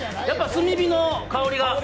やっぱり炭火の香りが？